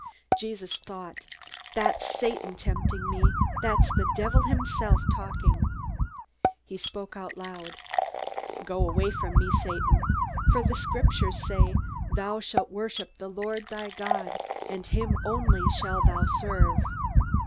_" Jesus thought, That's Satan tempting me, that's the devil himself talking! He spoke out loud: "Go away from me, Satan! For the Scriptures say, 'Thou shall worship the Lord thy God, and him only shalt thou serve!'"